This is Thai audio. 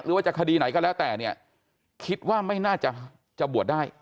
หรือว่าจะคดีไหนก็แล้วแต่เนี่ยคิดว่าไม่น่าจะบวชได้